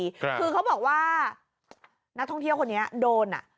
คือเขาบอกว่านักท่องเที่ยวคนนี้โดนอ่ะ